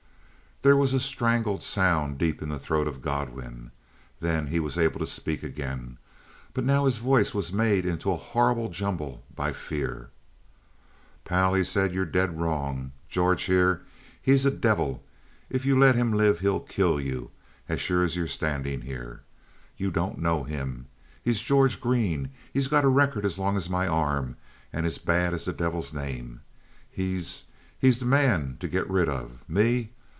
There was a strangled sound deep in the throat of Godwin; then he was able to speak again, but now his voice was made into a horrible jumble by fear. "Pal," he said, "you're dead wrong. George here he's a devil. If you let him live he'll kill you as sure as you're standing here. You don't know him. He's George Green. He's got a record as long as my arm and as bad as the devil's name. He he's the man to get rid of. Me?